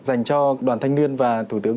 dành cho đoàn thanh niên và thủ tướng